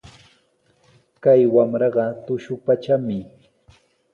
Kay wamraqa tushupatrami.